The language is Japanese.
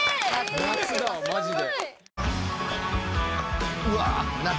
夏だわマジで。